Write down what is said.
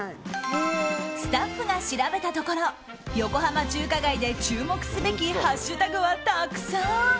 スタッフが調べたところ横浜中華街で注目すべきハッシュタグはたくさん。